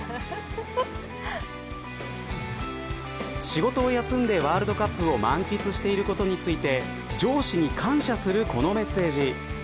仕事を休んでワールドカップを満喫していることについて上司に感謝するこのメッセージ。